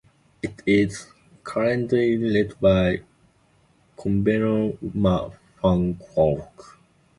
It is currently led by convenor Ma Fung-kwok.